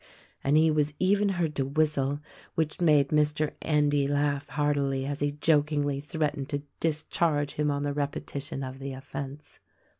And he was even heard to whistle — which made Mr. Endy laugh heartily as he jokingly threat ened to discharge him on a repetition of the offence.